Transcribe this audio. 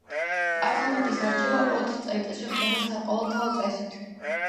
პარლამენტის არჩევა ოთხ წელიწადში ხდება საყოველთაო წესით.